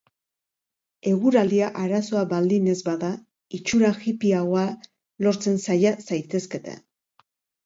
Eguraldia arazoa baldin ez bada, itxura hippyagoa lortzen saia zaitezkete.